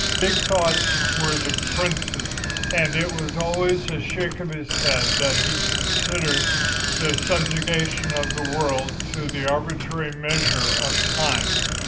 Big thoughts were the Prince's; and it was always with a shake of his head that he considered the subjugation of the world to the arbitrary measures of Time.